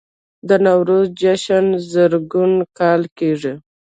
د نوروز جشن زرګونه کاله کیږي